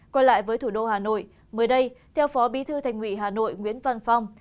quay lại với thủ đô hà nội mới đây theo phó bí thư thành ủy hà nội nguyễn văn phong